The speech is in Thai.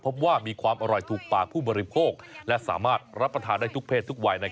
พบว่ามีความอร่อยถูกปากผู้บริโภคและสามารถรับประทานได้ทุกเพศทุกวัย